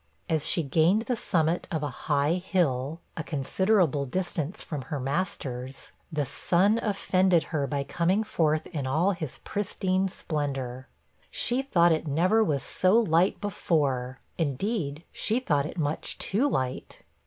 As she gained the summit of a high hill, a considerable distance from her master's, the sun offended her by coming forth in all his pristine splendor. She thought it never was so light before; indeed, she thought it much too light.